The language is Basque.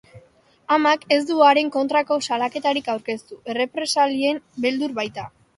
Amak ez du haren kontrako salaketarik aurkeztu, errepresalien beldur baita.